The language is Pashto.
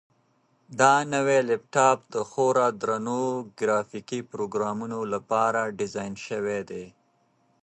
دا نوی لپټاپ د خورا درنو ګرافیکي پروګرامونو لپاره ډیزاین شوی دی.